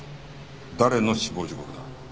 誰の死亡時刻だ？